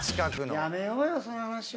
やめようよその話は。